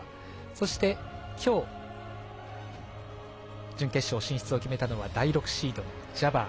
そして、今日、準決勝進出を決めたのは第６シード、ジャバー。